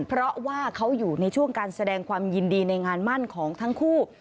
เพราะว่าเขาอยู่ในช่วงการแสดงความยินดีในงานมั่นของทั้งคู่